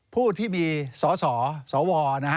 ผู้ที่มีสอสอสอวอ